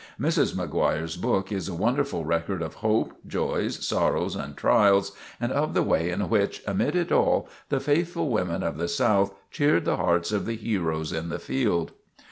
Mrs. McGuire's book is a wonderful record of hope, joys, sorrows and trials, and of the way in which, amid it all, the faithful women of the South cheered the hearts of the heroes in the field.